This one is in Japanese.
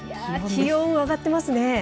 気温は上がっていますね。